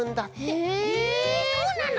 へえそうなの？